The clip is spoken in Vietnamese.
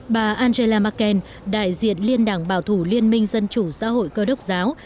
bà angela merkel đại diện liên đảng bảo thủ liên minh dân chủ xã hội cơ đốc giáo